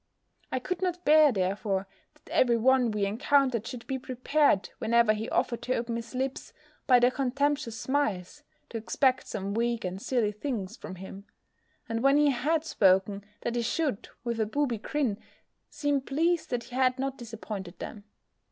I could not bear, therefore, that every one we encountered should be prepared, whenever he offered to open his lips, by their contemptuous smiles, to expect some weak and silly things from him; and when he had spoken, that he should, with a booby grin, seem pleased that he had not disappointed them.